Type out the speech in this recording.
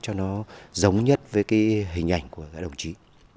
cho nó giống nhất với cái hình ảnh của các đồng chí